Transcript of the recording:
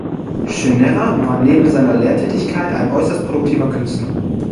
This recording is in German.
Schinnerer war neben seiner Lehrtätigkeit ein äußerst produktiver Künstler.